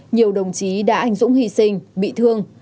nhiều đồng chí đã anh dũng hy sinh bị thương